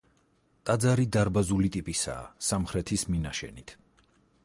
ტაძარი დარბაზული ტიპისაა სამხრეთის მინაშენით.